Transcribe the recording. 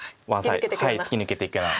突き抜けていくような。